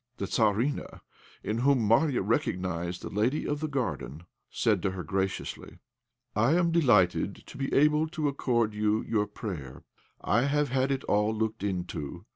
The Tzarina, in whom Marya recognized the lady of the garden, said to her, graciously "I am delighted to be able to accord you your prayer. I have had it all looked into.